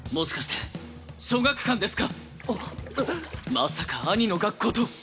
まさか兄の学校と。